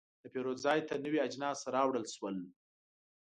د پیرود ځای ته نوي اجناس راوړل شول.